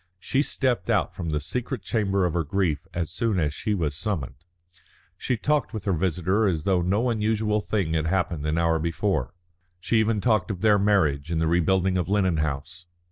She stepped out from the secret chamber of her grief as soon as she was summoned. She talked with her visitor as though no unusual thing had happened an hour before, she even talked of their marriage and the rebuilding of Lennon House.